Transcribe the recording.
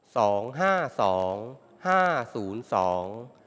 สองห้าสองห้าศูนย์สอง